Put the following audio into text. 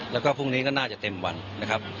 แล้วก็พรุ่งนี้ก็น่าจะเต็มวันนะครับ